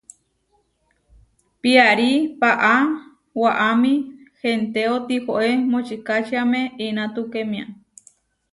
Piarí paʼá waʼámi hentéo, tihoé močikačiáme inatukémia.